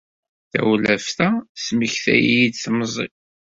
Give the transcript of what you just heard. Tawlaft-a tesmaktay-iyi-d temẓi.